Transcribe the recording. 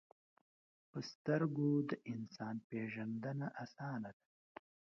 په سترګو د انسان پیژندنه آسانه ده